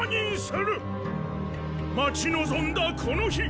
待ち望んだこの日！